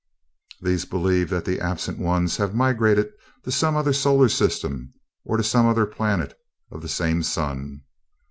These believe that the absent ones have migrated to some other solar system or to some other planet of the same sun.